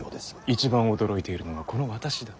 一番驚いているのはこの私だ。